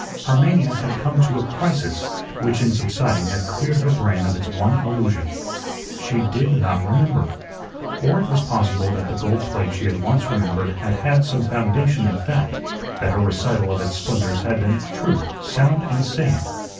Her mania had come to a crisis, which in subsiding had cleared her brain of its one illusion. She did not remember. Or it was possible that the gold plate she had once remembered had had some foundation in fact, that her recital of its splendors had been truth, sound and sane.